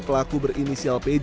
pelaku berinisial pj